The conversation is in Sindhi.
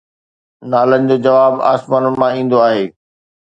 نالن جو جواب آسمانن مان ايندو آهي